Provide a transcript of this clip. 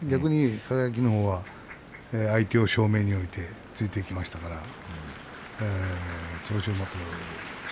輝のほうは、相手を正面に置いて突いていきましたからね。